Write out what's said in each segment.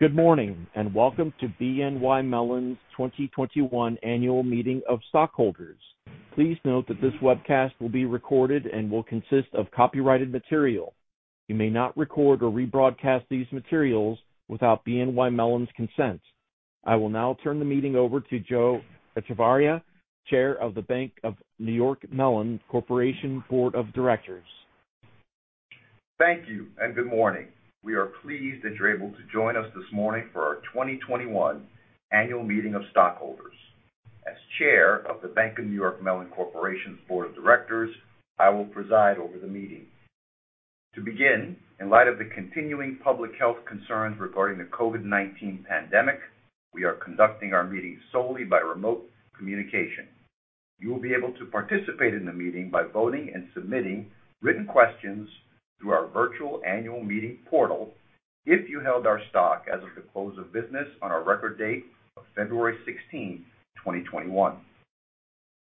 Good morning, welcome to BNY Mellon's 2021 Annual Meeting of Stockholders. Please note that this webcast will be recorded and will consist of copyrighted material. You may not record or rebroadcast these materials without BNY Mellon's consent. I will now turn the meeting over to Joe Echevarria, Chair of The Bank of New York Mellon Corporation Board of Directors. Thank you, and good morning. We are pleased that you're able to join us this morning for our 2021 Annual Meeting of Stockholders. As Chair of The Bank of New York Mellon Corporation's Board of Directors, I will preside over the meeting. To begin, in light of the continuing public health concerns regarding the COVID-19 pandemic, we are conducting our meeting solely by remote communication. You will be able to participate in the meeting by voting and submitting written questions through our virtual annual meeting portal if you held our stock as of the close of business on our record date of February 16th, 2021.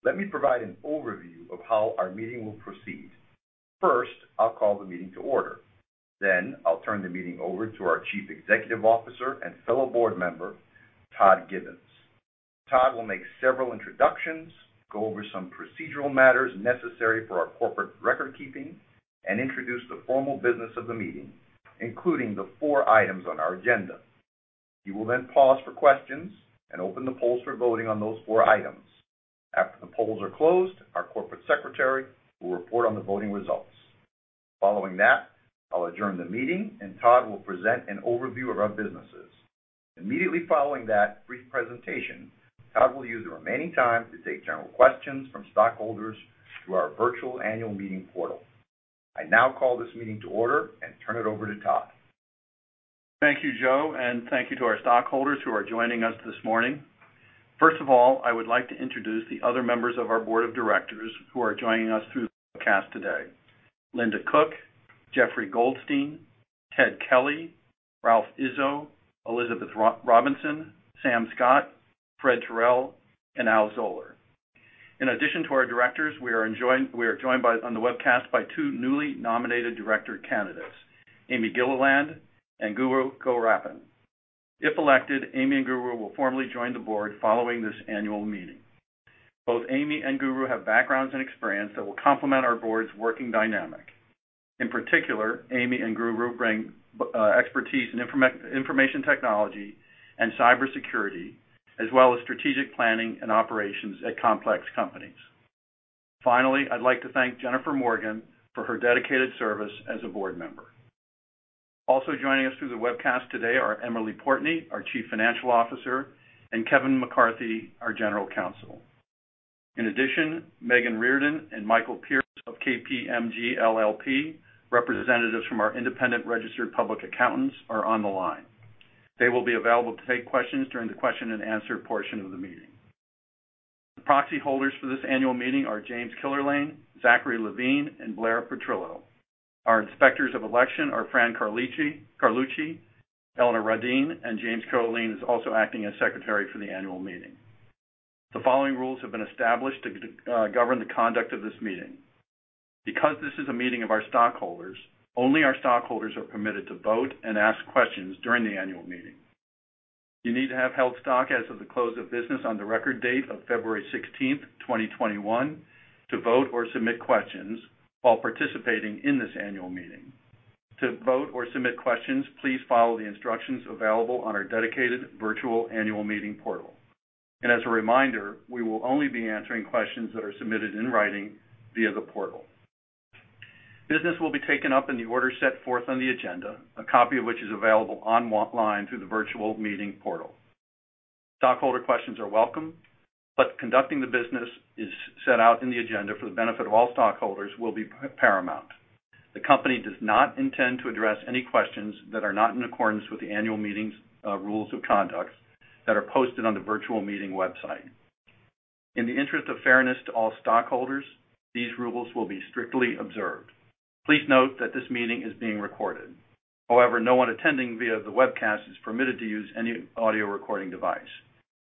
Let me provide an overview of how our meeting will proceed. First, I'll call the meeting to order. I'll turn the meeting over to our Chief Executive Officer and fellow board member, Todd Gibbons. Todd will make several introductions, go over some procedural matters necessary for our corporate record-keeping, and introduce the formal business of the meeting, including the four items on our agenda. He will pause for questions and open the polls for voting on those four items. After the polls are closed, our Corporate Secretary will report on the voting results. Following that, I'll adjourn the meeting, and Todd will present an overview of our businesses. Immediately following that brief presentation, Todd will use the remaining time to take general questions from stockholders through our virtual annual meeting portal. I now call this meeting to order and turn it over to Todd. Thank you, Joe, and thank you to our stockholders who are joining us this morning. First of all, I would like to introduce the other members of our board of directors who are joining us through the webcast today. Linda Cook, Jeffrey Goldstein, Ted Kelly, Ralph Izzo, Elizabeth Robinson, Sam Scott, Fred Terrell, and Al Zollar. In addition to our directors, we are joined on the webcast by two newly nominated director candidates, Amy Gilliland and Guru Gowrappan. If elected, Amy and Guru will formally join the board following this annual meeting. Both Amy and Guru have backgrounds and experience that will complement our board's working dynamic. In particular, Amy and Guru bring expertise in information technology and cybersecurity, as well as strategic planning and operations at complex companies. Finally, I'd like to thank Jennifer Morgan for her dedicated service as a board member. Also joining us through the webcast today are Emily Portney, our Chief Financial Officer, and Kevin McCarthy, our General Counsel. In addition, Megan Reardon and Michael Pierce of KPMG LLP, representatives from our independent registered public accountants, are on the line. They will be available to take questions during the question and answer portion of the meeting. The proxy holders for this annual meeting are James Killerlane, Zachary Levine, and Blair Petrillo. Our inspectors of election are Fran Carlucci, Eleanor Radine, and James Killerlane is also acting as secretary for the annual meeting. The following rules have been established to govern the conduct of this meeting. Because this is a meeting of our stockholders, only our stockholders are permitted to vote and ask questions during the annual meeting. You need to have held stock as of the close of business on the record date of February 16, 2021, to vote or submit questions while participating in this annual meeting. To vote or submit questions, please follow the instructions available on our dedicated virtual annual meeting portal. As a reminder, we will only be answering questions that are submitted in writing via the portal. Business will be taken up in the order set forth on the agenda, a copy of which is available online through the virtual meeting portal. Stockholder questions are welcome, but conducting the business as set out in the agenda for the benefit of all stockholders will be paramount. The company does not intend to address any questions that are not in accordance with the annual meeting's rules of conduct that are posted on the virtual meeting website. In the interest of fairness to all stockholders, these rules will be strictly observed. Please note that this meeting is being recorded. However, no one attending via the webcast is permitted to use any audio recording device.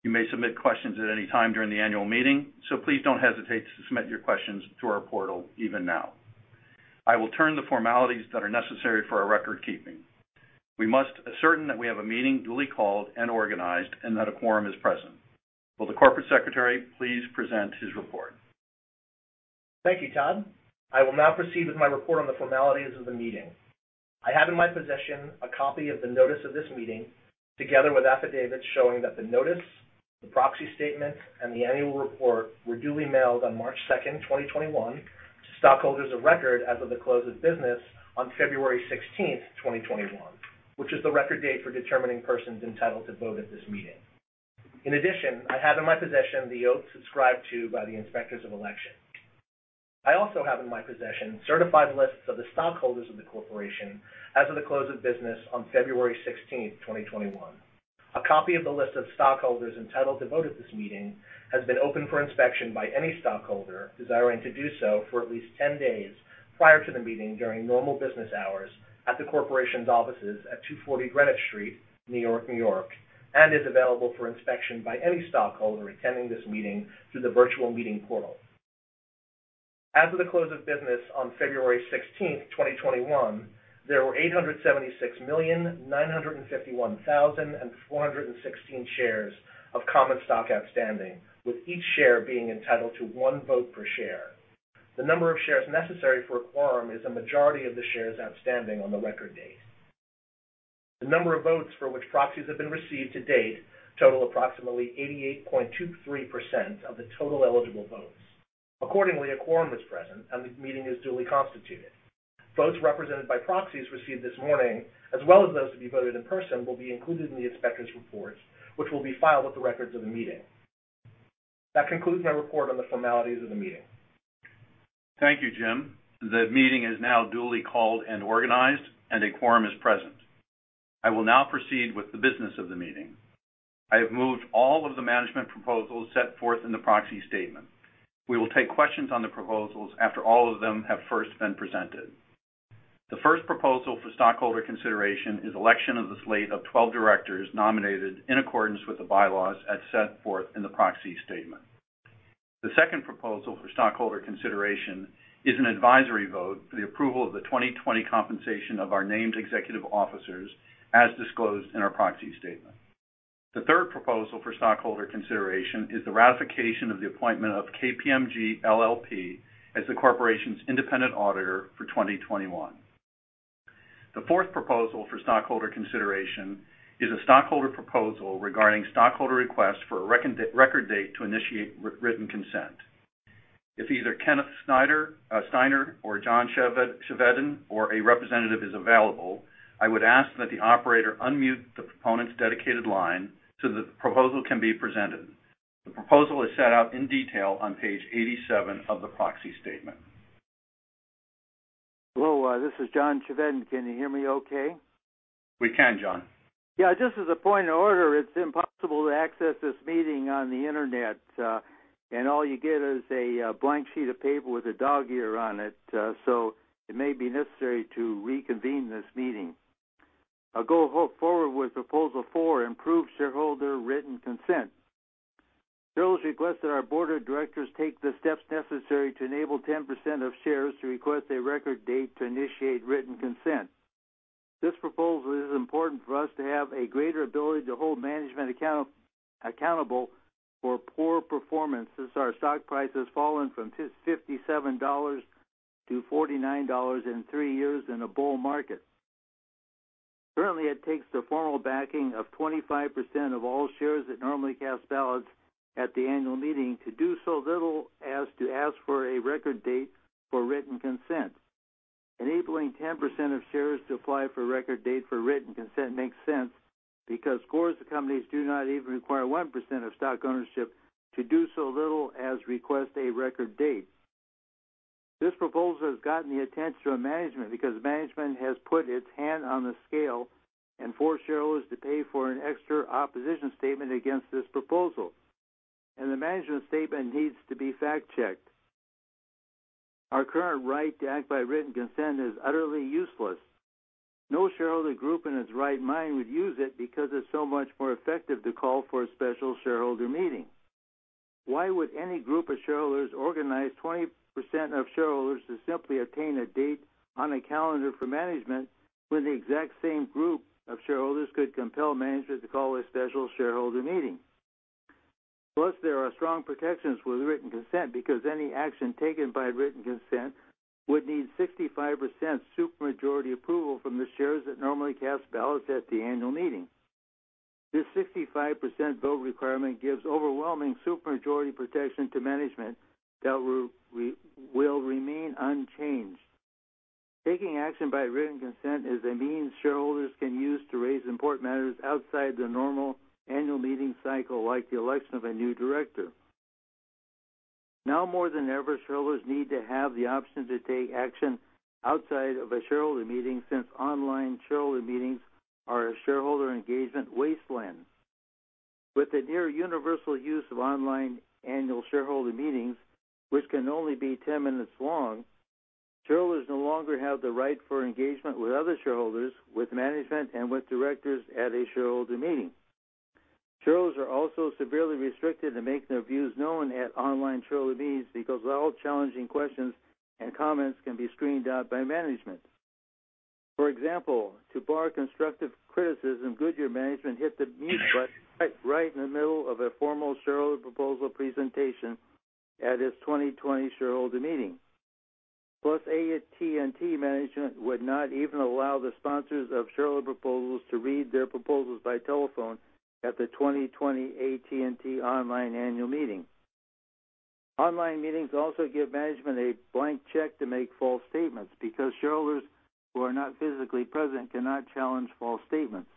You may submit questions at any time during the annual meeting, so please don't hesitate to submit your questions through our portal even now. I will turn the formalities that are necessary for our record keeping. We must ascertain that we have a meeting duly called and organized, and that a quorum is present. Will the corporate secretary please present his report? Thank you, Todd. I will now proceed with my report on the formalities of the meeting. I have in my possession a copy of the notice of this meeting, together with affidavits showing that the notice, the proxy statement, and the annual report were duly mailed on March 2nd, 2021 to stockholders of record as of the close of business on February 16th, 2021, which is the record date for determining persons entitled to vote at this meeting. In addition, I have in my possession the oath subscribed to by the inspectors of election. I also have in my possession certified lists of the stockholders of the corporation as of the close of business on February 16th, 2021. A copy of the list of stockholders entitled to vote at this meeting has been open for inspection by any stockholder desiring to do so for at least 10 days prior to the meeting during normal business hours at the corporation's offices at 240 Greenwich Street, New York, and is available for inspection by any stockholder attending this meeting through the virtual meeting portal. As of the close of business on February 16th, 2021, there were 876,951,416 shares of common stock outstanding, with each share being entitled to one vote per share. The number of shares necessary for a quorum is a majority of the shares outstanding on the record date. The number of votes for which proxies have been received to date total approximately 88.23% of the total eligible votes. Accordingly, a quorum is present and the meeting is duly constituted. Votes represented by proxies received this morning, as well as those to be voted in person, will be included in the inspector's report, which will be filed with the records of the meeting. That concludes my report on the formalities of the meeting. Thank you, Jim. The meeting is now duly called and organized, and a quorum is present. I will now proceed with the business of the meeting. I have moved all of the management proposals set forth in the proxy statement. We will take questions on the proposals after all of them have first been presented. The first proposal for stockholder consideration is election of the slate of 12 directors nominated in accordance with the bylaws as set forth in the proxy statement. The second proposal for stockholder consideration is an advisory vote for the approval of the 2020 compensation of our named executive officers as disclosed in our proxy statement. The third proposal for stockholder consideration is the ratification of the appointment of KPMG LLP as the corporation's independent auditor for 2021. The fourth proposal for stockholder consideration is a stockholder proposal regarding stockholder request for a record date to initiate written consent. If either Kenneth Steiner or John Chevedden, or a representative is available, I would ask that the operator unmute the proponent's dedicated line so that the proposal can be presented. The proposal is set out in detail on page 87 of the proxy statement. Hello, this is John Chevedden. Can you hear me okay? We can, John. Yeah. Just as a point of order, it's impossible to access this meeting on the internet, and all you get is a blank sheet of paper with a dog ear on it. It may be necessary to reconvene this meeting. I'll go forward with proposal four, improve shareholder written consent. Shareholders request that our board of directors take the steps necessary to enable 10% of shares to request a record date to initiate written consent. This proposal is important for us to have a greater ability to hold management accountable for poor performance, since our stock price has fallen from $57 to $49 in three years in a bull market. Currently, it takes the formal backing of 25% of all shares that normally cast ballots at the annual meeting to do so little as to ask for a record date for written consent. Enabling 10% of shares to apply for a record date for written consent makes sense because scores of companies do not even require 1% of stock ownership to do so little as request a record date. This proposal has gotten the attention of management because management has put its hand on the scale and forced shareholders to pay for an extra opposition statement against this proposal. The management statement needs to be fact-checked. Our current right to act by written consent is utterly useless. No shareholder group in its right mind would use it because it's so much more effective to call for a special shareholder meeting. Why would any group of shareholders organize 20% of shareholders to simply obtain a date on a calendar for management when the exact same group of shareholders could compel management to call a special shareholder meeting? There are strong protections with written consent because any action taken by written consent would need 65% supermajority approval from the shares that normally cast ballots at the annual meeting. This 65% vote requirement gives overwhelming supermajority protection to management that will remain unchanged. Taking action by written consent is a means shareholders can use to raise important matters outside the normal annual meeting cycle, like the election of a new director. Now more than ever, shareholders need to have the option to take action outside of a shareholder meeting, since online shareholder meetings are a shareholder engagement wasteland. With the near universal use of online annual shareholder meetings, which can only be 10 minutes long, shareholders no longer have the right for engagement with other shareholders, with management, and with directors at a shareholder meeting. Shareholders are also severely restricted to make their views known at online shareholder meetings because all challenging questions and comments can be screened out by management. For example, to bar constructive criticism, Goodyear management hit the mute button right in the middle of a formal shareholder proposal presentation at its 2020 shareholder meeting. AT&T management would not even allow the sponsors of shareholder proposals to read their proposals by telephone at the 2020 AT&T online annual meeting. Online meetings also give management a blank check to make false statements because shareholders who are not physically present cannot challenge false statements.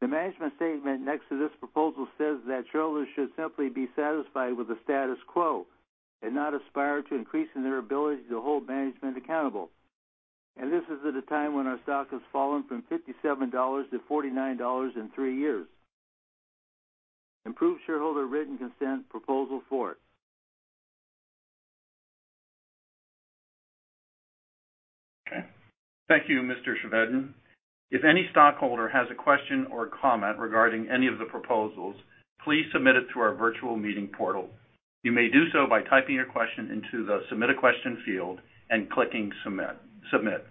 The management statement next to this proposal says that shareholders should simply be satisfied with the status quo and not aspire to increasing their ability to hold management accountable. This is at a time when our stock has fallen from $57 to $49 in three years. Improve shareholder written consent, proposal four. Thank you, Mr. Chevedden. If any stockholder has a question or comment regarding any of the proposals, please submit it through our virtual meeting portal. You may do so by typing your question into the Submit a Question field and clicking Submit.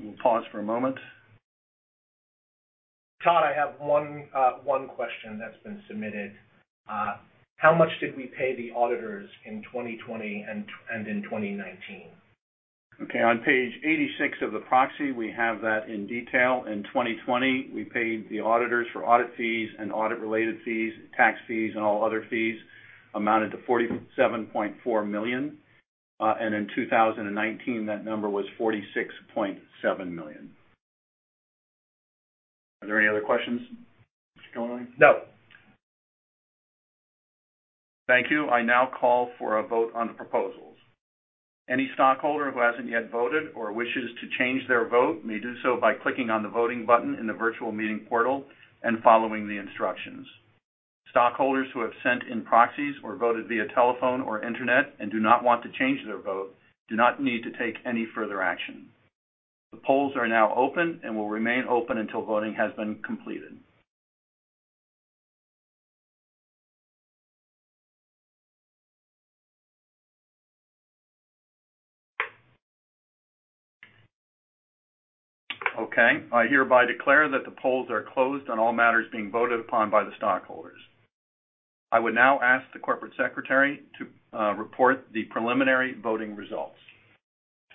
We will pause for a moment. Todd, I have one question that's been submitted. How much did we pay the auditors in 2020 and in 2019? Okay. On page 86 of the proxy, we have that in detail. In 2020, we paid the auditors for audit fees and audit-related fees. Tax fees and all other fees amounted to $47.4 million. In 2019, that number was $46.7 million. Are there any other questions, Mr. Donnelly? No. Thank you. I now call for a vote on the proposals. Any stockholder who hasn't yet voted or wishes to change their vote may do so by clicking on the voting button in the virtual meeting portal and following the instructions. Stockholders who have sent in proxies or voted via telephone or internet and do not want to change their vote do not need to take any further action. The polls are now open and will remain open until voting has been completed. Okay. I hereby declare that the polls are closed on all matters being voted upon by the stockholders. I would now ask the Corporate Secretary to report the preliminary voting results.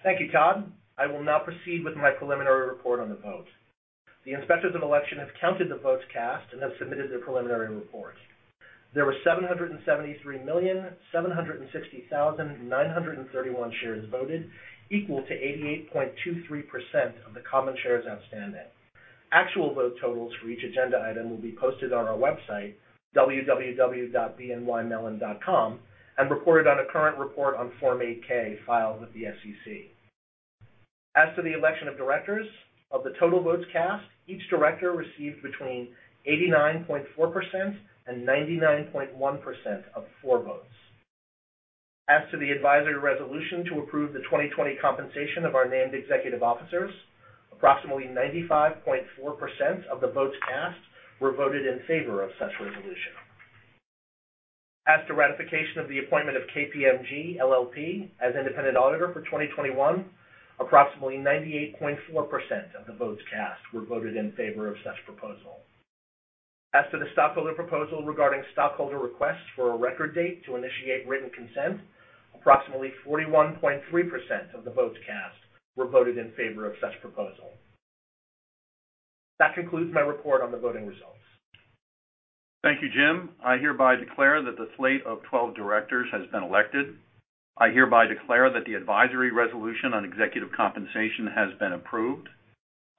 Thank you, Todd. I will now proceed with my preliminary report on the vote. The inspectors of election have counted the votes cast and have submitted their preliminary report. There were 773,760,931 shares voted, equal to 88.23% of the common shares outstanding. Actual vote totals for each agenda item will be posted on our website, www.bnymellon.com, and reported on a current report on Form 8-K filed with the SEC. As to the election of directors, of the total votes cast, each director received between 89.4% and 99.1% of the fore votes. As to the advisory resolution to approve the 2020 compensation of our named executive officers, approximately 95.4% of the votes cast were voted in favor of such resolution. As to ratification of the appointment of KPMG LLP as independent auditor for 2021, approximately 98.4% of the votes cast were voted in favor of such proposal. As to the stockholder proposal regarding stockholder requests for a record date to initiate written consent, approximately 41.3% of the votes cast were voted in favor of such proposal. That concludes my report on the voting results. Thank you, Jim. I hereby declare that the slate of 12 directors has been elected. I hereby declare that the advisory resolution on executive compensation has been approved.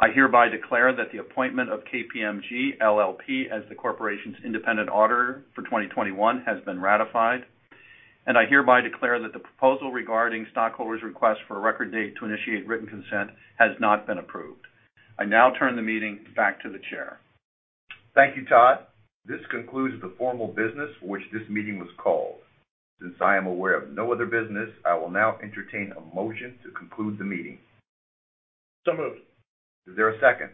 I hereby declare that the appointment of KPMG LLP as the corporation's independent auditor for 2021 has been ratified. I hereby declare that the proposal regarding stockholders' request for a record date to initiate written consent has not been approved. I now turn the meeting back to the chair. Thank you, Todd. This concludes the formal business for which this meeting was called. Since I am aware of no other business, I will now entertain a motion to conclude the meeting. Moved. Is there a second?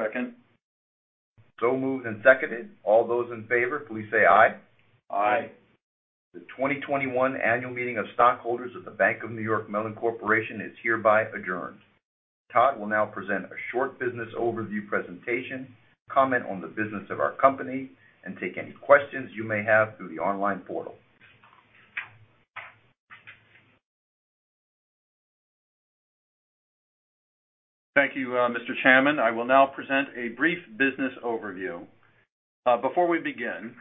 Second. Moved and seconded. All those in favor, please say aye. Aye. The 2021 annual meeting of stockholders of The Bank of New York Mellon Corporation is hereby adjourned. Todd will now present a short business overview presentation, comment on the business of our company, and take any questions you may have through the online portal. Thank you, Mr. Chairman. I will now present a brief business overview. Before we begin,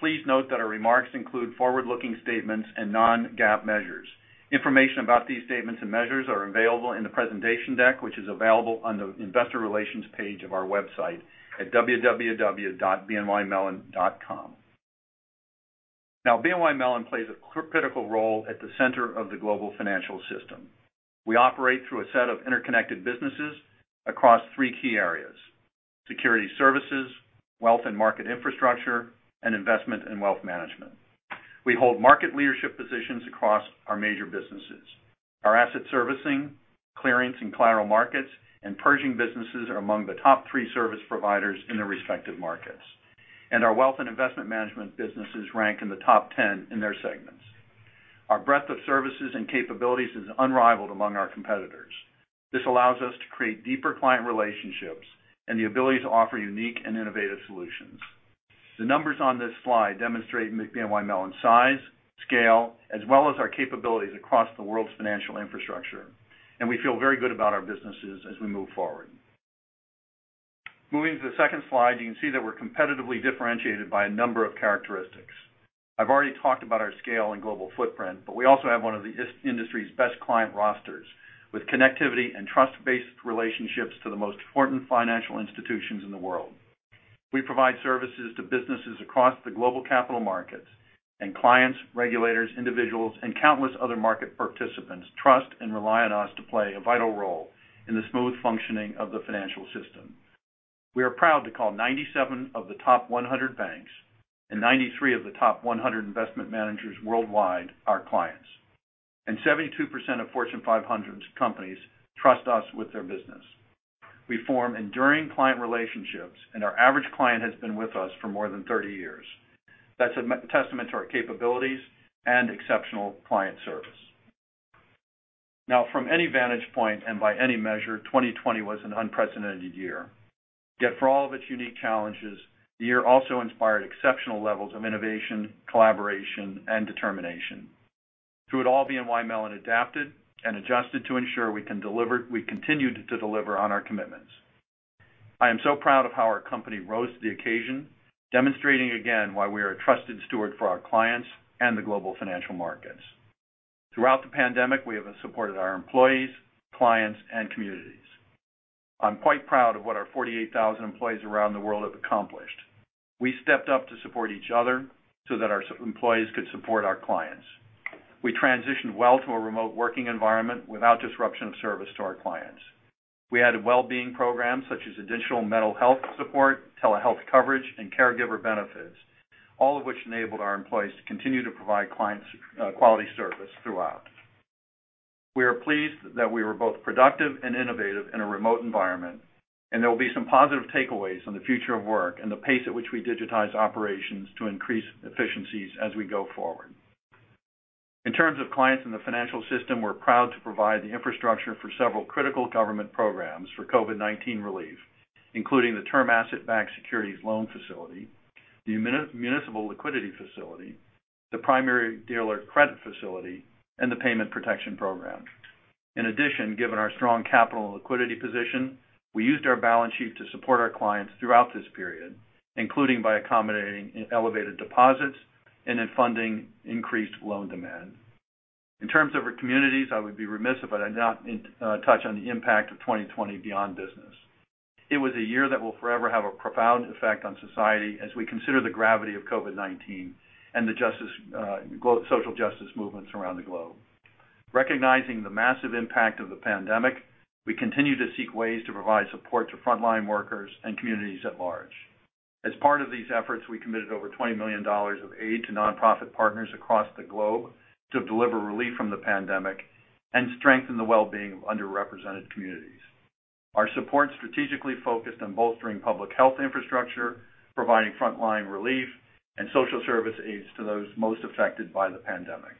please note that our remarks include forward-looking statements and non-GAAP measures. Information about these statements and measures are available in the presentation deck, which is available on the investor relations page of our website at www.bnymellon.com. BNY Mellon plays a critical role at the center of the global financial system. We operate through a set of interconnected businesses across three key areas, security services, wealth and market infrastructure, and investment and wealth management. We hold market leadership positions across our major businesses. Our asset servicing, clearance, and clearing markets and Pershing businesses are among the three top service providers in their respective markets. Our wealth and investment management businesses rank in the top 10 in their segments. Our breadth of services and capabilities is unrivaled among our competitors. This allows us to create deeper client relationships and the ability to offer unique and innovative solutions. The numbers on this slide demonstrate BNY Mellon's size, scale, as well as our capabilities across the world's financial infrastructure. We feel very good about our businesses as we move forward. Moving to the second slide, you can see that we're competitively differentiated by a number of characteristics. I've already talked about our scale and global footprint. We also have one of the industry's best client rosters, with connectivity and trust-based relationships to the most important financial institutions in the world. We provide services to businesses across the global capital markets, and clients, regulators, individuals, and countless other market participants trust and rely on us to play a vital role in the smooth functioning of the financial system. We are proud to call 97 of the top 100 banks and 93 of the top 100 investment managers worldwide our clients. 72% of Fortune 500 companies trust us with their business. We form enduring client relationships, and our average client has been with us for more than 30 years. That's a testament to our capabilities and exceptional client service. From any vantage point and by any measure, 2020 was an unprecedented year. For all of its unique challenges, the year also inspired exceptional levels of innovation, collaboration, and determination. Through it all, BNY Mellon adapted and adjusted to ensure we continued to deliver on our commitments. I am so proud of how our company rose to the occasion, demonstrating again why we are a trusted steward for our clients and the global financial markets. Throughout the pandemic, we have supported our employees, clients, and communities. I'm quite proud of what our 48,000 employees around the world have accomplished. We stepped up to support each other so that our employees could support our clients. We transitioned well to a remote working environment without disruption of service to our clients. We added wellbeing programs such as additional mental health support, telehealth coverage, and caregiver benefits, all of which enabled our employees to continue to provide clients quality service throughout. We are pleased that we were both productive and innovative in a remote environment, and there will be some positive takeaways on the future of work and the pace at which we digitize operations to increase efficiencies as we go forward. In terms of clients in the financial system, we're proud to provide the infrastructure for several critical government programs for COVID-19 relief, including the Term Asset-Backed Securities Loan Facility, the Municipal Liquidity Facility, the Primary Dealer Credit Facility, and the Paycheck Protection Program. In addition, given our strong capital and liquidity position, we used our balance sheet to support our clients throughout this period, including by accommodating elevated deposits and in funding increased loan demand. In terms of our communities, I would be remiss if I did not touch on the impact of 2020 beyond business. It was a year that will forever have a profound effect on society as we consider the gravity of COVID-19 and the social justice movements around the globe. Recognizing the massive impact of the pandemic, we continue to seek ways to provide support to frontline workers and communities at large. As part of these efforts, we committed over $20 million of aid to nonprofit partners across the globe to deliver relief from the pandemic and strengthen the wellbeing of underrepresented communities. Our support strategically focused on bolstering public health infrastructure, providing frontline relief, and social service aids to those most affected by the pandemic.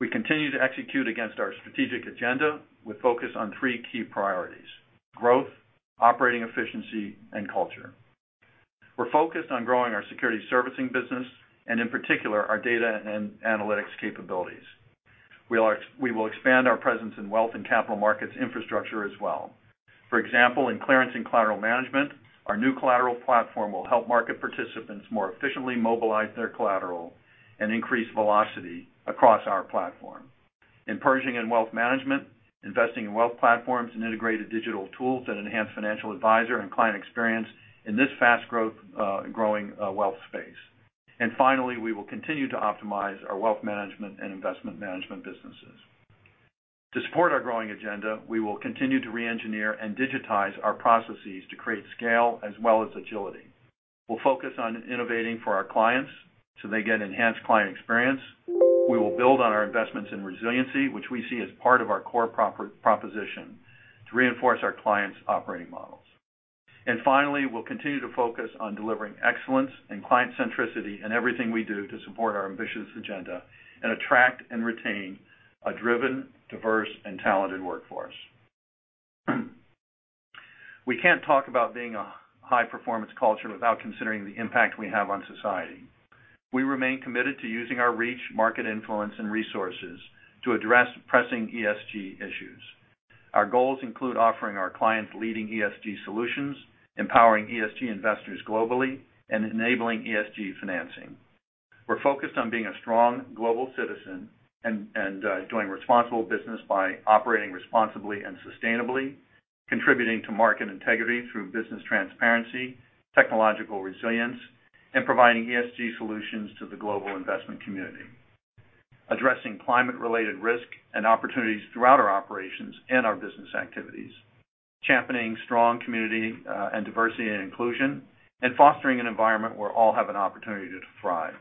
We continue to execute against our strategic agenda with focus on three key priorities, growth, operating efficiency, and culture. We're focused on growing our security servicing business, and in particular, our data and analytics capabilities. We will expand our presence in wealth and capital markets infrastructure as well. For example, in clearance and collateral management, our new collateral platform will help market participants more efficiently mobilize their collateral and increase velocity across our platform. In Pershing and wealth management, investing in wealth platforms and integrated digital tools that enhance financial advisor and client experience in this fast-growing wealth space. Finally, we will continue to optimize our wealth management and investment management businesses. To support our growing agenda, we will continue to reengineer and digitize our processes to create scale as well as agility. We'll focus on innovating for our clients so they get enhanced client experience. We will build on our investments in resiliency, which we see as part of our core proposition to reinforce our clients' operating models. Finally, we'll continue to focus on delivering excellence and client centricity in everything we do to support our ambitious agenda and attract and retain a driven, diverse, and talented workforce. We can't talk about being a high-performance culture without considering the impact we have on society. We remain committed to using our reach, market influence, and resources to address pressing ESG issues. Our goals include offering our clients leading ESG solutions, empowering ESG investors globally, and enabling ESG financing. We're focused on being a strong global citizen and doing responsible business by operating responsibly and sustainably, contributing to market integrity through business transparency, technological resilience, and providing ESG solutions to the global investment community, addressing climate-related risk and opportunities throughout our operations and our business activities, championing strong community and diversity and inclusion, and fostering an environment where all have an opportunity to thrive.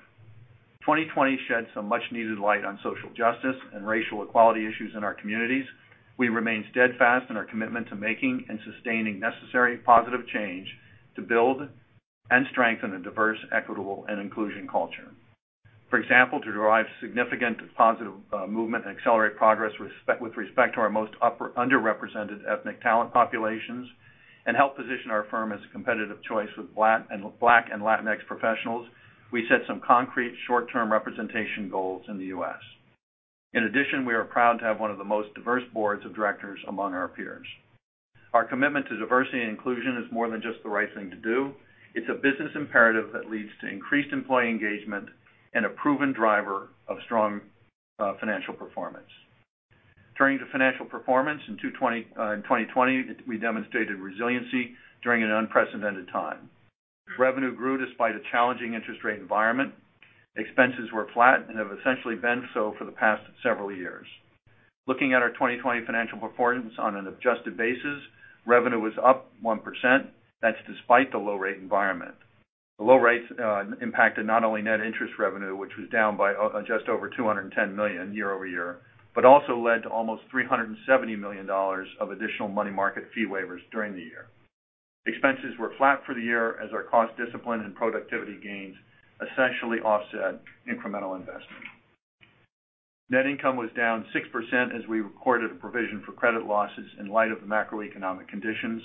2020 shed some much-needed light on social justice and racial equality issues in our communities. We remain steadfast in our commitment to making and sustaining necessary positive change to build and strengthen a diverse, equitable, and inclusion culture. For example, to drive significant positive movement and accelerate progress with respect to our most underrepresented ethnic talent populations and help position our firm as a competitive choice with Black and Latinx professionals, we set some concrete short-term representation goals in the U.S. In addition, we are proud to have one of the most diverse boards of directors among our peers. Our commitment to diversity and inclusion is more than just the right thing to do. It's a business imperative that leads to increased employee engagement and a proven driver of strong financial performance. Turning to financial performance, in 2020, we demonstrated resiliency during an unprecedented time. Revenue grew despite a challenging interest rate environment. Expenses were flat and have essentially been so for the past several years. Looking at our 2020 financial performance on an adjusted basis, revenue was up 1%. That's despite the low rate environment. The low rates impacted not only net interest revenue, which was down by just over $210 million year-over-year, but also led to almost $370 million of additional money market fee waivers during the year. Expenses were flat for the year as our cost discipline and productivity gains essentially offset incremental investment. Net income was down 6% as we recorded a provision for credit losses in light of the macroeconomic conditions.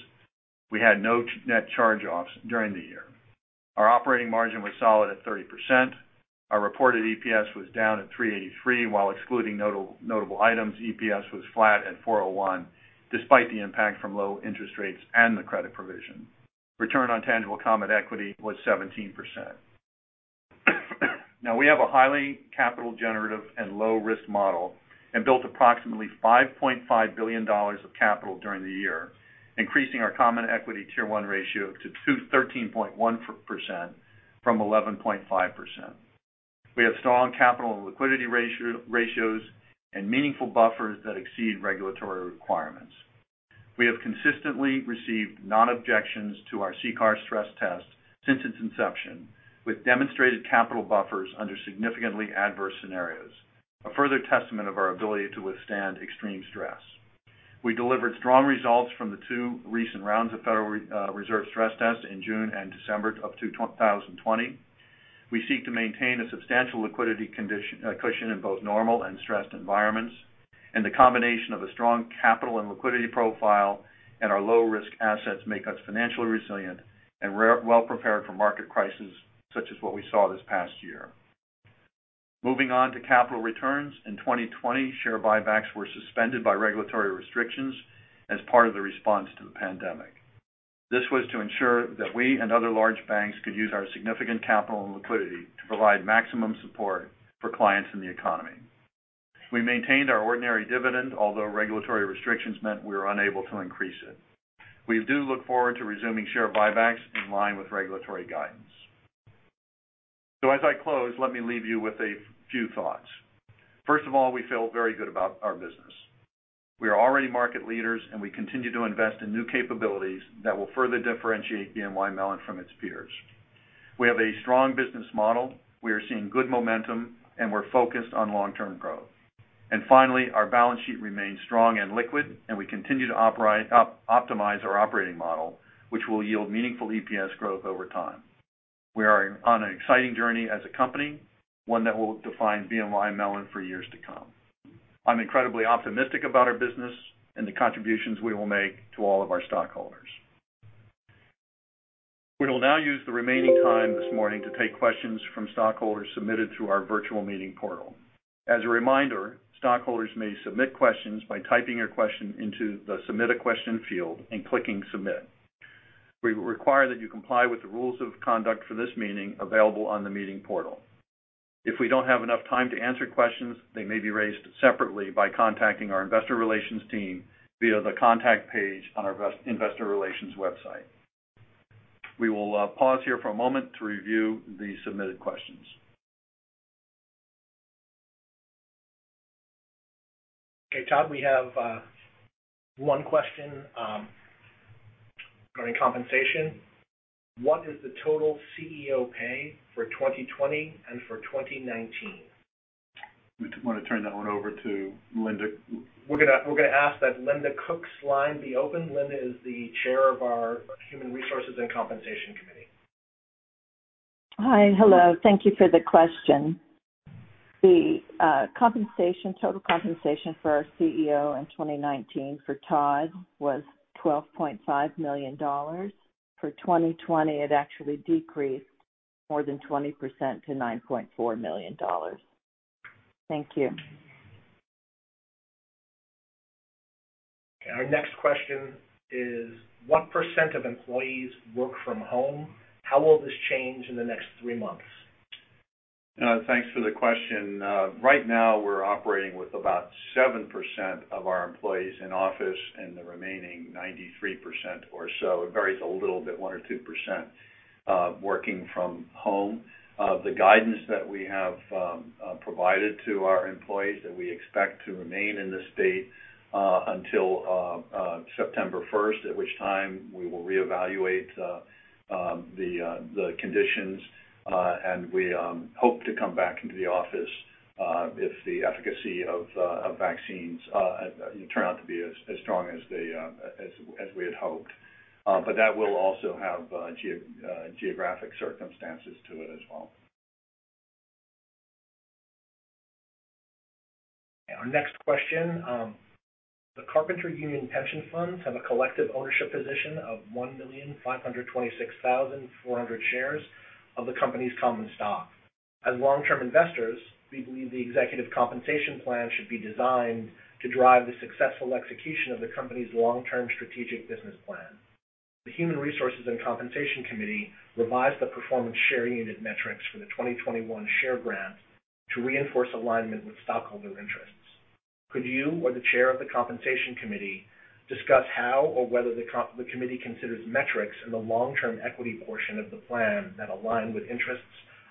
We had no net charge-offs during the year. Our operating margin was solid at 30%. Our reported EPS was down at $3.83, while excluding notable items, EPS was flat at $4.01, despite the impact from low interest rates and the credit provision. Return on tangible common equity was 17%. We have a highly capital generative and low risk model and built approximately $5.5 billion of capital during the year, increasing our common equity Tier 1 ratio to 13.1% from 11.5%. We have strong capital and liquidity ratios and meaningful buffers that exceed regulatory requirements. We have consistently received non-objections to our CCAR stress test since its inception, with demonstrated capital buffers under significantly adverse scenarios, a further testament of our ability to withstand extreme stress. We delivered strong results from the two recent rounds of Federal Reserve stress tests in June and December of 2020. We seek to maintain a substantial liquidity cushion in both normal and stressed environments. The combination of a strong capital and liquidity profile and our low risk assets make us financially resilient and well prepared for market crises such as what we saw this past year. Moving on to capital returns. In 2020, share buybacks were suspended by regulatory restrictions as part of the response to the pandemic. This was to ensure that we and other large banks could use our significant capital and liquidity to provide maximum support for clients in the economy. We maintained our ordinary dividend, although regulatory restrictions meant we were unable to increase it. We do look forward to resuming share buybacks in line with regulatory guidance. As I close, let me leave you with a few thoughts. First of all, we feel very good about our business. We are already market leaders. We continue to invest in new capabilities that will further differentiate BNY Mellon from its peers. We have a strong business model. We are seeing good momentum, and we're focused on long-term growth. Finally, our balance sheet remains strong and liquid, and we continue to optimize our operating model, which will yield meaningful EPS growth over time. We are on an exciting journey as a company, one that will define BNY Mellon for years to come. I'm incredibly optimistic about our business and the contributions we will make to all of our stockholders. We will now use the remaining time this morning to take questions from stockholders submitted through our virtual meeting portal. As a reminder, stockholders may submit questions by typing your question into the Submit a Question field and clicking Submit. We require that you comply with the rules of conduct for this meeting available on the meeting portal. If we don't have enough time to answer questions, they may be raised separately by contacting our investor relations team via the contact page on our investor relations website. We will pause here for a moment to review the submitted questions. Okay, Todd, we have one question regarding compensation. What is the total CEO pay for 2020 and for 2019? We want to turn that one over to Linda. We're going to ask that Linda Cook's line be open. Linda is the Chair of our Human Resources and Compensation Committee. Hi. Hello. Thank you for the question. The total compensation for our CEO in 2019 for Todd was $12.5 million. For 2020, it actually decreased more than 20% to $9.4 million. Thank you. Okay, our next question is, what percent of employees work from home? How will this change in the next three months? Thanks for the question. Right now, we're operating with about 7% of our employees in office and the remaining 93% or so, it varies a little bit, one or 2%, working from home. The guidance that we have provided to our employees that we expect to remain in this state until September 1st, at which time we will reevaluate the conditions, and we hope to come back into the office, if the efficacy of vaccines turn out to be as strong as we had hoped. That will also have geographic circumstances to it as well. Our next question. The Carpenters Union Pension Funds have a collective ownership position of 1,526,400 shares of the company's common stock. As long-term investors, we believe the executive compensation plan should be designed to drive the successful execution of the company's long-term strategic business plan. The Human Resources and Compensation Committee revised the performance share unit metrics for the 2021 share grant to reinforce alignment with stockholder interests. Could you or the Chair of the Compensation Committee discuss how or whether the Committee considers metrics in the long-term equity portion of the plan that align with interests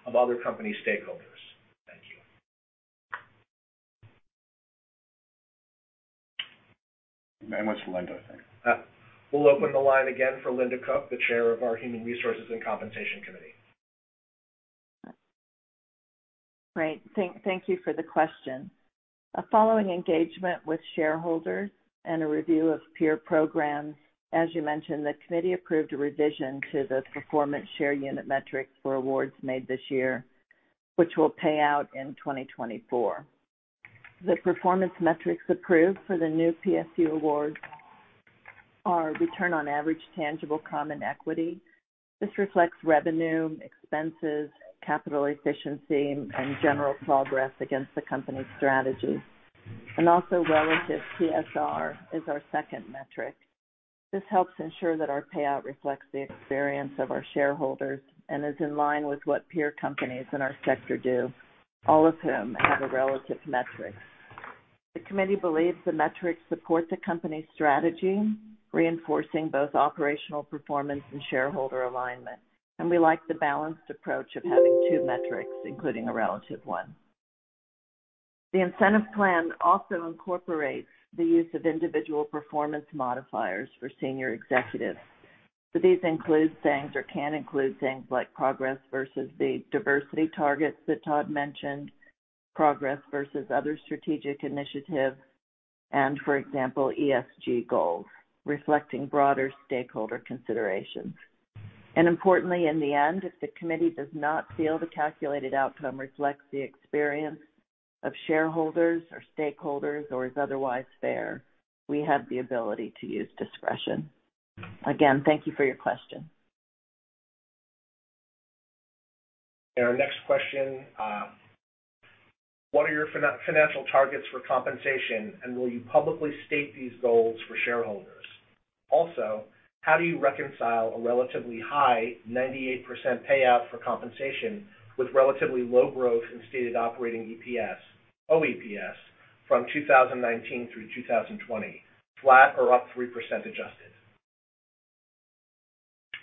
of other company stakeholders? Thank you. That one's for Linda, I think. We'll open the line again for Linda Cook, the chair of our Human Resources and Compensation Committee. Great. Thank you for the question. Following engagement with shareholders and a review of peer programs, as you mentioned, the committee approved a revision to the performance share unit metrics for awards made this year, which will pay out in 2024. The performance metrics approved for the new PSU awards are return on average tangible common equity. This reflects revenue, expenses, capital efficiency, and general progress against the company's strategy. Also, relative TSR is our second metric. This helps ensure that our payout reflects the experience of our shareholders and is in line with what peer companies in our sector do, all of whom have a relative metric. The committee believes the metrics support the company's strategy, reinforcing both operational performance and shareholder alignment. We like the balanced approach of having two metrics, including a relative one. The incentive plan also incorporates the use of individual performance modifiers for senior executives. These include things or can include things like progress versus the diversity targets that Todd mentioned, progress versus other strategic initiatives, and for example, ESG goals, reflecting broader stakeholder considerations. Importantly, in the end, if the committee does not feel the calculated outcome reflects the experience of shareholders or stakeholders or is otherwise fair, we have the ability to use discretion. Again, thank you for your question. Our next question, what are your financial targets for compensation, and will you publicly state these goals for shareholders? How do you reconcile a relatively high 98% payout for compensation with relatively low growth in stated operating EPS, OEPS, from 2019 through 2020, flat or up 3% adjusted?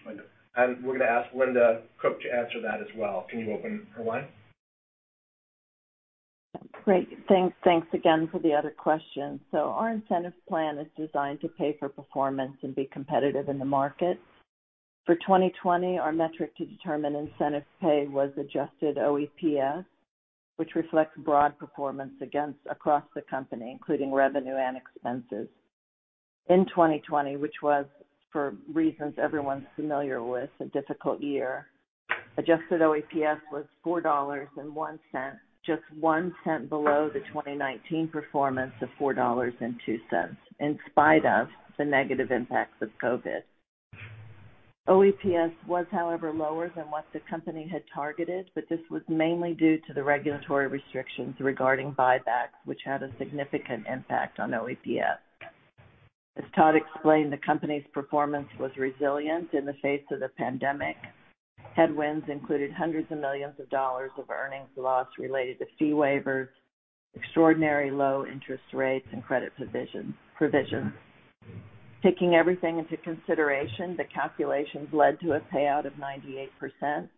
Linda. We're going to ask Linda Cook to answer that as well. Can you open her line? Great. Thanks again for the other question. Our incentive plan is designed to pay for performance and be competitive in the market. For 2020, our metric to determine incentive pay was adjusted OEPS, which reflects broad performance across the company, including revenue and expenses. In 2020, which was, for reasons everyone's familiar with, a difficult year, adjusted OEPS was $4.01, just $0.01 below the 2019 performance of $4.02, in spite of the negative impacts of COVID. OEPS was, however, lower than what the company had targeted, but this was mainly due to the regulatory restrictions regarding buybacks, which had a significant impact on OEPS. As Todd explained, the company's performance was resilient in the face of the pandemic. Headwinds included hundreds of millions of dollars of earnings loss related to fee waivers, extraordinary low-interest rates, and credit provision. Taking everything into consideration, the calculations led to a payout of 98%. The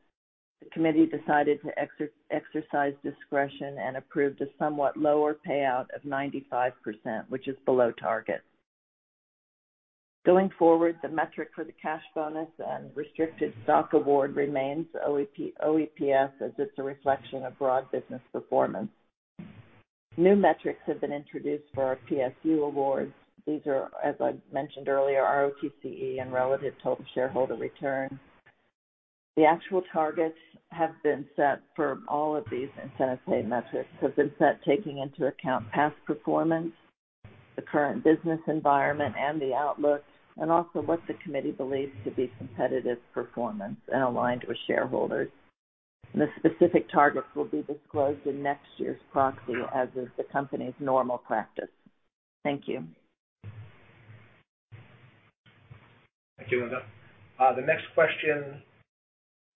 committee decided to exercise discretion and approved a somewhat lower payout of 95%, which is below target. Going forward, the metric for the cash bonus and restricted stock award remains OEPS, as it's a reflection of broad business performance. New metrics have been introduced for our PSU awards. These are, as I mentioned earlier, ROTCE and relative Total Shareholder Return. The actual targets for all of these incentive pay metrics have been set taking into account past performance, the current business environment and the outlook, and also what the committee believes to be competitive performance and aligned with shareholders. The specific targets will be disclosed in next year's proxy, as is the company's normal practice. Thank you. Thank you, Linda. The next question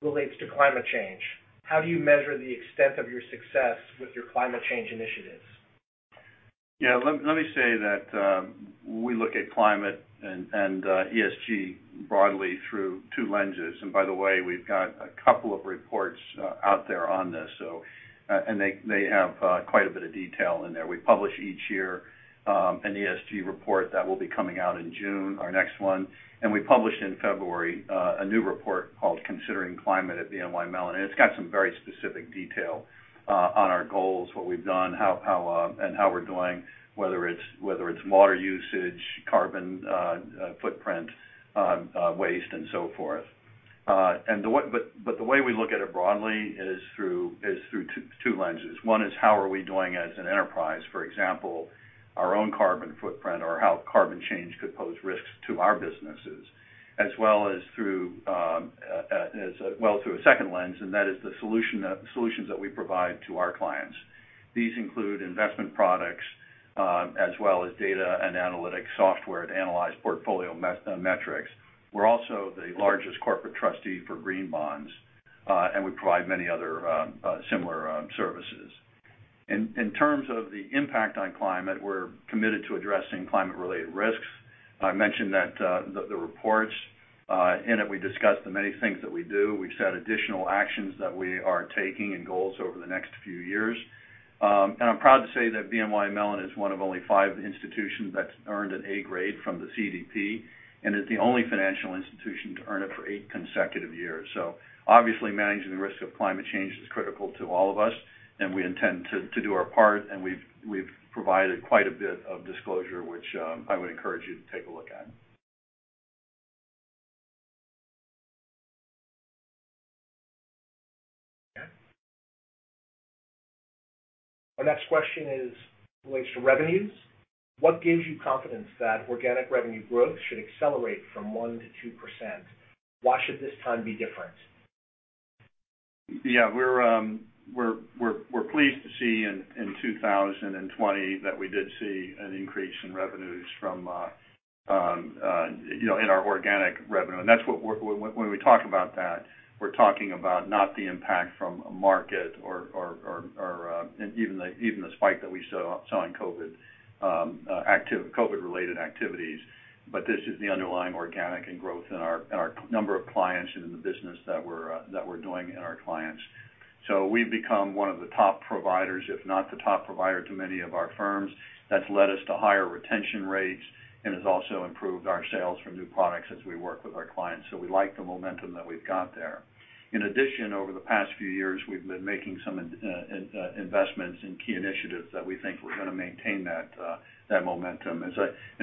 relates to climate change. How do you measure the extent of your success with your climate change initiatives? Yeah, let me say that we look at climate and ESG broadly through two lenses. By the way, we've got a couple of reports out there on this, and they have quite a bit of detail in there. We publish each year an ESG report that will be coming out in June, our next one. We published in February a new report called Considering Climate at BNY Mellon, and it's got some very specific detail on our goals, what we've done, and how we're doing, whether it's water usage, carbon footprint, waste, and so forth. The way we look at it broadly is through two lenses. One is how are we doing as an enterprise, for example, our own carbon footprint or how carbon change could pose risks to our businesses, as well as through a second lens, and that is the solutions that we provide to our clients. These include investment products as well as data and analytics software to analyze portfolio metrics. We're also the largest corporate trustee for green bonds, and we provide many other similar services. In terms of the impact on climate, we're committed to addressing climate-related risks. I mentioned that the reports, in it, we discussed the many things that we do. We've set additional actions that we are taking and goals over the next few years. I'm proud to say that BNY Mellon is one of only five institutions that's earned an A grade from the CDP and is the only financial institution to earn it for eight consecutive years. Obviously, managing the risk of climate change is critical to all of us, and we intend to do our part, and we've provided quite a bit of disclosure, which I would encourage you to take a look at. Okay. Our next question is relates to revenues. What gives you confidence that organic revenue growth should accelerate from 1% to 2%? Why should this time be different? Yeah. We're pleased to see in 2020 that we did see an increase in revenues in our organic revenue. When we talk about that, we're talking about not the impact from a market or even the spike that we saw in COVID-related activities. This is the underlying organic growth in our number of clients and in the business that we're doing in our clients. We've become one of the top providers, if not the top provider to many of our firms. That's led us to higher retention rates and has also improved our sales from new products as we work with our clients. We like the momentum that we've got there. In addition, over the past few years, we've been making some investments in key initiatives that we think we're going to maintain that momentum. As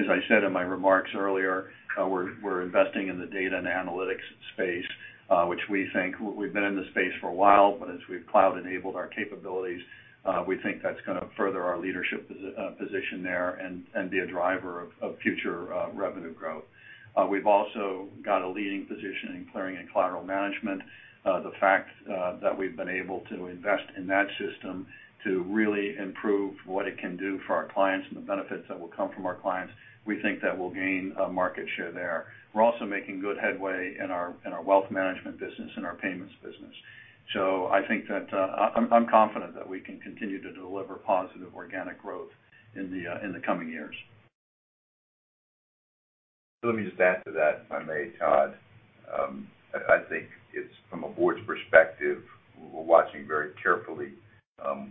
I said in my remarks earlier, we're investing in the data and analytics space, which we think we've been in the space for a while, but as we've cloud-enabled our capabilities, we think that's going to further our leadership position there and be a driver of future revenue growth. We've also got a leading position in clearing and collateral management. The fact that we've been able to invest in that system to really improve what it can do for our clients and the benefits that will come from our clients, we think that we'll gain a market share there. We're also making good headway in our wealth management business and our payments business. I'm confident that we can continue to deliver positive organic growth in the coming years. Let me just add to that, if I may, Todd. I think it's from a board's perspective, we're watching very carefully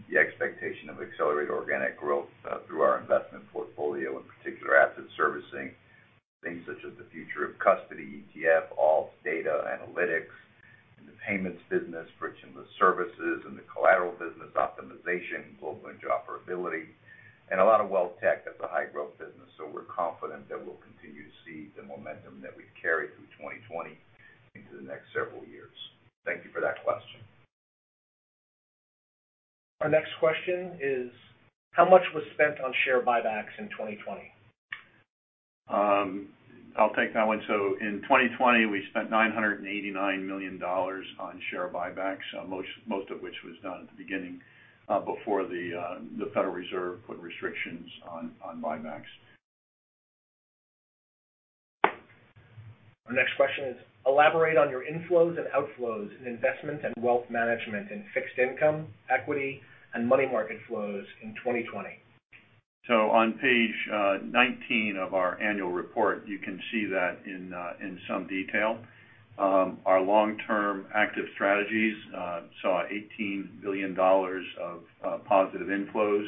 the expectation of accelerated organic growth through our investment portfolio, in particular asset servicing, things such as the future of custody, ETF, ALPS, data analytics, and the payments business, friction with services, and the collateral business optimization, global interoperability, and a lot of wealth tech as a high-growth business. We're confident that we'll continue to see the momentum that we've carried through 2020 into the next several years. Thank you for that question. Our next question is how much was spent on share buybacks in 2020? I'll take that one. In 2020, we spent $989 million on share buybacks most of which was done at the beginning before the Federal Reserve put restrictions on buybacks. Our next question is, elaborate on your inflows and outflows in investment and wealth management in fixed income, equity, and money market flows in 2020? On page 19 of our annual report, you can see that in some detail. Our long-term active strategies saw $18 billion of positive inflows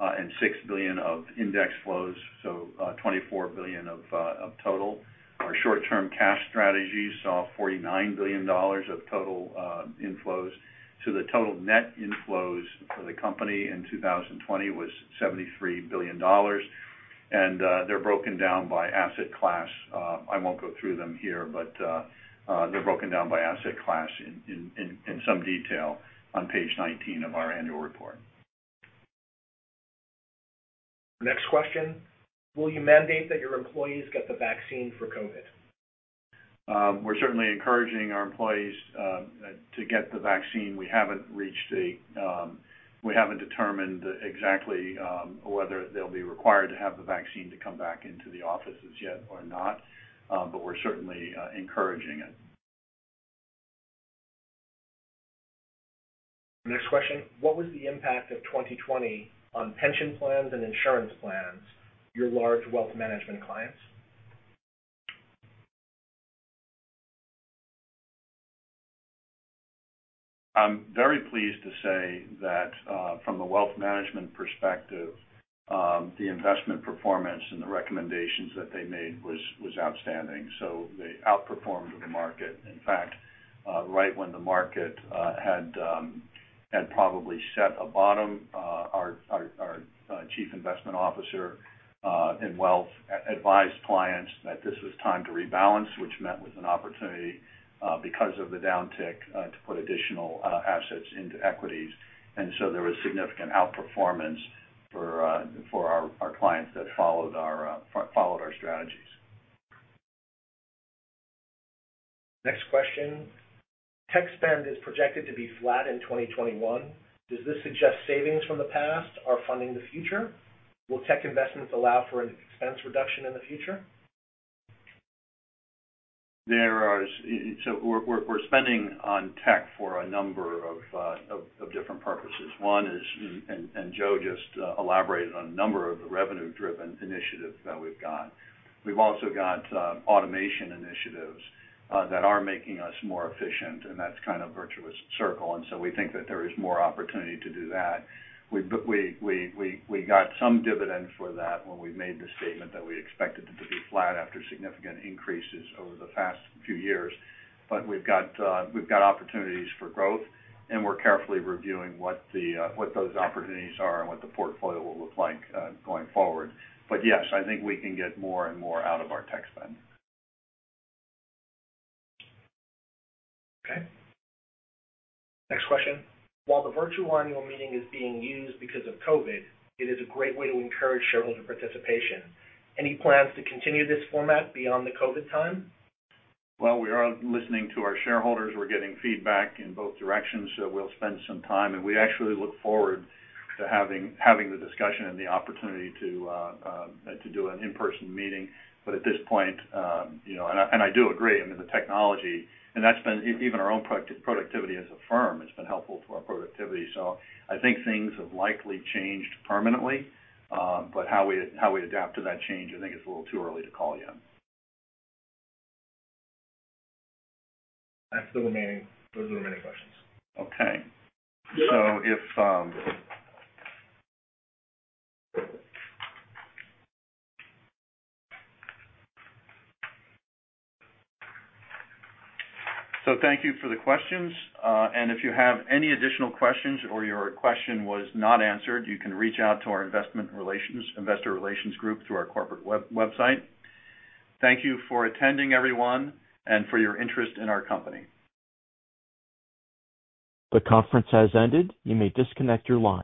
and $6 billion of index flows, so $24 billion of total. Our short-term cash strategy saw $49 billion of total inflows. The total net inflows for the company in 2020 was $73 billion. They're broken down by asset class. I won't go through them here, but they're broken down by asset class in some detail on page 19 of our annual report. Next question, will you mandate that your employees get the vaccine for COVID? We're certainly encouraging our employees to get the vaccine. We haven't determined exactly whether they'll be required to have the vaccine to come back into the offices yet or not. We're certainly encouraging it. Next question, what was the impact of 2020 on pension plans and insurance plans, your large wealth management clients? I'm very pleased to say that from a wealth management perspective, the investment performance and the recommendations that they made was outstanding. They outperformed the market. In fact, right when the market had probably set a bottom, our chief investment officer in wealth advised clients that this was time to rebalance, which meant it was an opportunity because of the downtick to put additional assets into equities. There was significant outperformance for our clients that followed our strategies. Next question. Tech spend is projected to be flat in 2021. Does this suggest savings from the past are funding the future? Will tech investments allow for an expense reduction in the future? We're spending on tech for a number of different purposes. One is, Joe just elaborated on a number of the revenue-driven initiatives that we've got. We've also got automation initiatives that are making us more efficient, and that's kind of a virtuous circle. We think that there is more opportunity to do that. We got some dividend for that when we made the statement that we expected it to be flat after significant increases over the past few years. We've got opportunities for growth, and we're carefully reviewing what those opportunities are and what the portfolio will look like going forward. Yes, I think we can get more and more out of our tech spend. Okay. Next question. While the virtual annual meeting is being used because of COVID, it is a great way to encourage shareholder participation. Any plans to continue this format beyond the COVID time? We are listening to our shareholders. We're getting feedback in both directions, so we'll spend some time, and we actually look forward to having the discussion and the opportunity to do an in-person meeting. At this point, and I do agree, I mean, the technology, and even our own productivity as a firm, it's been helpful for our productivity. I think things have likely changed permanently. How we adapt to that change, I think it's a little too early to call yet. Those are the remaining questions. Okay. Thank you for the questions. If you have any additional questions or your question was not answered, you can reach out to our investor relations group through our corporate website. Thank you for attending, everyone, and for your interest in our company. The conference has ended. You may disconnect your line.